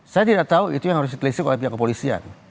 saya tidak tahu itu yang harus ditelisik oleh pihak kepolisian